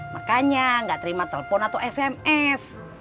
makanya nggak terima telepon atau sms